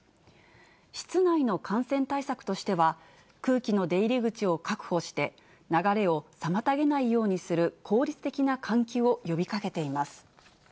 室内の感染対策としては、空気の出入り口を確保して、流れを妨げないようにする効率的な換気を呼びかけています。